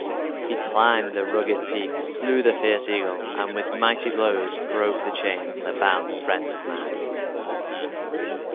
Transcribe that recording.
He climbed the rugged peak, slew the fierce eagle, and with mighty blows broke the chains that bound the friend of man.